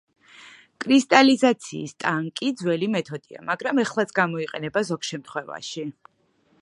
კრისტალიზაციის ტანკი ძველი მეთოდია მაგრამ ეხლაც გამოიყენება ზოგ შემთხვევაში.